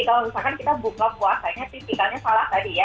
kalau misalkan kita buka puasanya tipikannya salah tadi ya